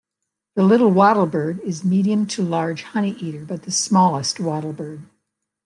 The little wattlebird is a medium to large honeyeater, but the smallest wattlebird.